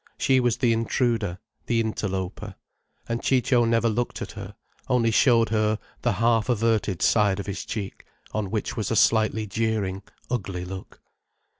She was the intruder, the interloper. And Ciccio never looked at her, only showed her the half averted side of his cheek, on which was a slightly jeering, ugly look.